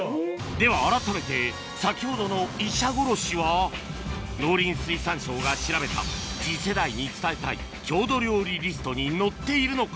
ではあらためて先ほどの医者ごろしは農林水産省が調べた次世代に伝えたい郷土料理リストに載っているのか？